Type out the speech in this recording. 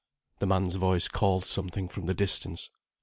The man's voice called something from the distance.